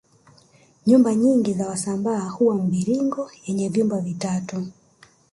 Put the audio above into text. Nyumba nyingi za wasambaa huwa mviringo yenye vyumba vitatu